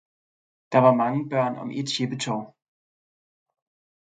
Der var mange børn om et sjippetov